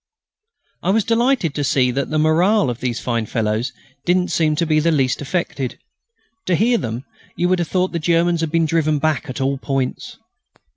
I was delighted to see that the moral of those fine fellows didn't seem in the least affected. To hear them you would have thought the Germans had been driven back at all points.